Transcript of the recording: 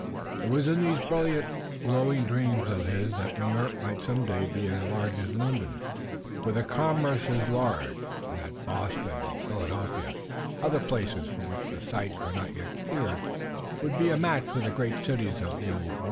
It was in these brilliant, glowing dreams of his that New York might some day be as large as London, with a commerce as large, and that Boston and Philadelphia and other places for which the sites were not yet cleared, would be a match for the great cities of the Old World.